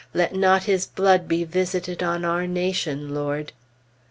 Let not his blood be visited on our nation, Lord!